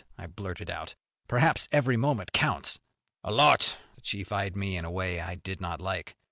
I blurted out. "Perhaps every moment counts." "A lot." The chief eyed me in a way I did not like.